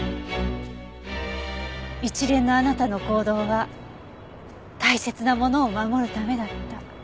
一連のあなたの行動は大切なものを守るためだった。